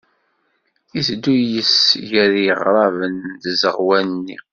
Iteddu yis-s gar yiɣṛaben n tzeɣwa-nni.